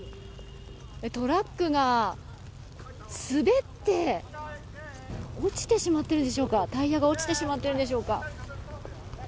トラックが滑って落ちてしまっているんでしょうかタイヤが落ちてしまっているでしょうか。